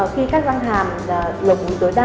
khi các răng hàm lượng mũi tối đa